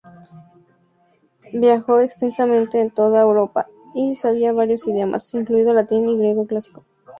Viajó extensamente en toda Europa, y sabía varios idiomas, incluido latín y griego clásico.